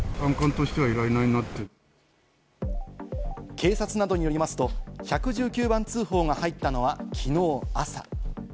警察などによりますと１１９番通報が入ったのは昨日の朝。